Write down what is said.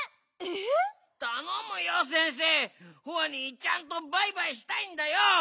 ホワにちゃんとバイバイしたいんだよ！